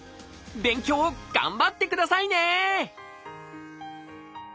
勉強頑張ってくださいね！